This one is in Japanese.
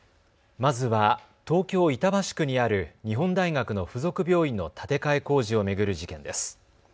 まずは東京板橋区にある日本大学の付属病院の建て替え工事を巡る事件です。